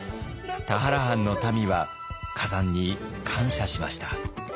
田原藩の民は崋山に感謝しました。